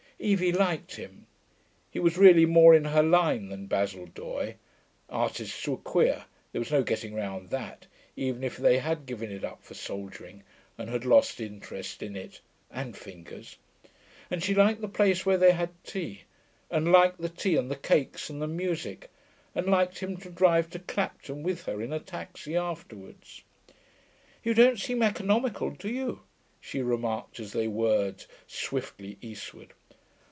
Evie liked him; he was really more in her line than Basil Doye (artists were queer, there was no getting round that, even if they had given it up for soldiering and had lost interest in it and fingers), and she liked the place where they had tea, and liked the tea and the cakes and the music, and liked him to drive to Clapton with her in a taxi afterwards. 'You don't seem economical, do you?' she remarked, as they whirred swiftly eastward.